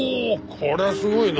こりゃすごいな。